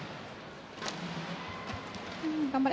頑張れ。